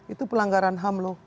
itu pelanggaran ham lho